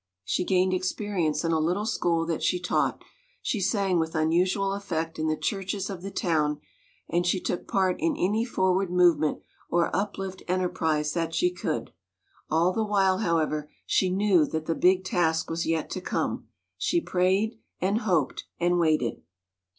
She gained experience in a little school that she taught, she sang with unusual effect in the churches of the town, and she took part in any forward movement or uplift enterprise that she could. All the MARY McLEOD BETHUNE 75 while, however, she knew that the big task was yet to come. She prayed, and hoped, and waited.